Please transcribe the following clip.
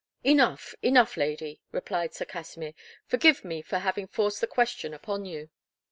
"Enough, enough, lady," replied Sir Kasimir; "forgive me for having forced the question upon you."